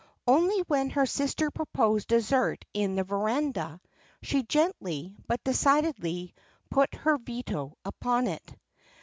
Only when her sister proposed dessert in the verandah, she gently, but decidedly, put her veto upon it.